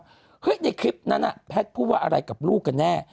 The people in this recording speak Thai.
เถียงกันใหญ่เลยว่าเฮ้ยในคลิปนั้นน่ะแพทย์พูดว่าอะไรกับลูกกันแน่